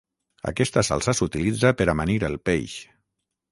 Aquesta salsa s'utilitza per amanir el peix